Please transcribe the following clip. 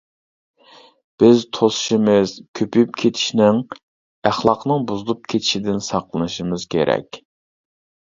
بىز توسۇشىمىز، كۆپىيىپ كېتىشىنىڭ ئەخلاقنىڭ بۇزۇلۇپ كېتىشىدىن ساقلىنىشىمىز كېرەك.